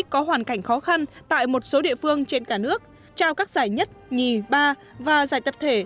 có hoàn cảnh khó khăn tại một số địa phương trên cả nước trao các giải nhất nhì ba và giải tập thể